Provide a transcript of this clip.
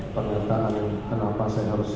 pernyataan kenapa saya harus